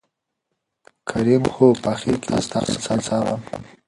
کريم : هو په آخر کې زه ستاسو څخه انصاف غواړم.